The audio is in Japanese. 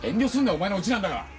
お前のウチなんだから。